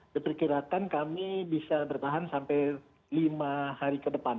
diperkirakan kami bisa bertahan sampai lima hari ke depan